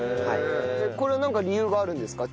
これはなんか理由があるんですか？